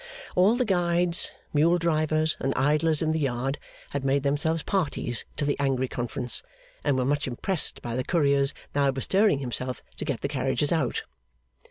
All the guides, mule drivers, and idlers in the yard, had made themselves parties to the angry conference, and were much impressed by the courier's now bestirring himself to get the carriages out.